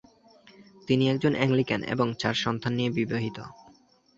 তিনি একজন অ্যাংলিকান এবং চার সন্তান নিয়ে বিবাহিত।